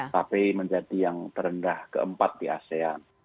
tapi menjadi yang terendah keempat di asean